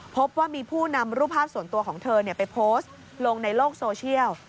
พบว่ามีผู้นำรูปภาพส่วนตัวของเธอไปโพสต์ลงในโลกโซเชียล